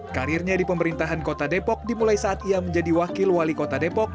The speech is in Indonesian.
karirnya di pemerintahan kota depok dimulai saat ia menjadi wakil wali kota depok